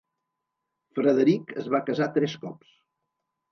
Frederic es va casar tres cops.